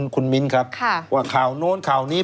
คุณมิ้นครับว่าข่าวโน้นข่าวนี้